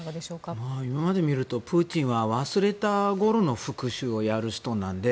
ここまで見るとプーチンは忘れたころに復讐をやる人なので。